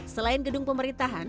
selain gedung pemerintahan